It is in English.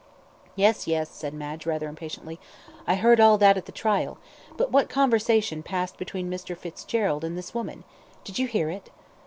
"Yes, yes," said Madge, rather impatiently. "I heard all that at the trial, but what conversation passed between Mr. Fitzgerald and this woman? Did you hear it?"